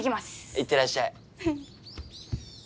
いってらっしゃい